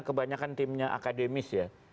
kebanyakan timnya akademis ya